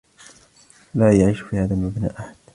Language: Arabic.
لا يعيش في هذا المبنى أحد.